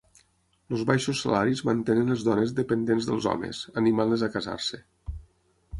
Els baixos salaris mantenen les dones dependents dels homes, animant-les a casar-se.